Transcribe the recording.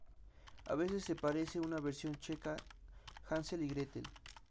A veces, se parece a una versión checa de "Hansel y Gretel".